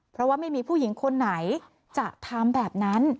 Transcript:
เพราะว่าไม่มีผู้หญิงคนไหนจะทำแบบนั้น